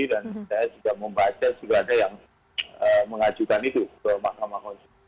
dan saya juga membaca sudah ada yang mengajukan itu ke mahkamah konstitusi